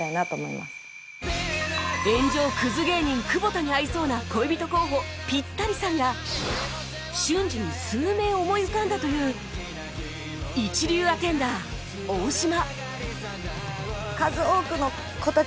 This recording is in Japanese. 炎上クズ芸人久保田に合いそうな恋人候補ピッタリさんが瞬時に数名思い浮かんだという一流アテンダー大島